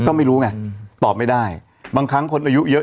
ก็ไม่รู้ไงตอบไม่ได้บางครั้งคนอายุเยอะ